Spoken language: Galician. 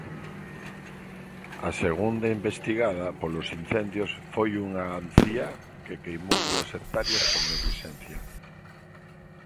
A segunda investigada polos incendios foi unha anciá que queimou dúas hectáreas por neglixencia.